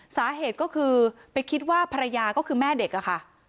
สาเหตุก็คือไปคิดว่าภรรยาก็คือแม่เด็กอะค่ะ